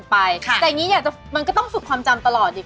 พี่กาวก็เล่นตลกให้ดูทุกวันสิ